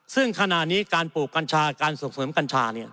ซึ่งขณะนี้การปลูกกัญชาการส่งเสริมกัญชา